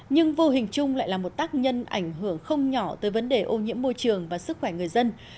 nhưng vô hình chung lại là một tác nhân ảnh hưởng không nhỏ tới vấn đề ô nhiễm môi trường và sức khỏe người dân